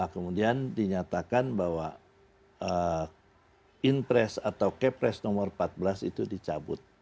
kemudian dinyatakan bahwa inpres atau kepres nomor empat belas itu dicabut